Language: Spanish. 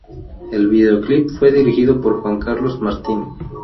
El videoclip fue dirigido por Juan Carlos Martin.